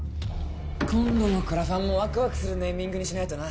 今度のクラファンもワクワクするネーミングにしないとな。